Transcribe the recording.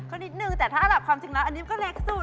ก็นิดนึงแต่ถ้าระดับความจริงแล้วอันนี้มันก็เล็กสุด